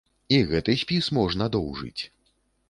І гэты спіс можна доўжыць!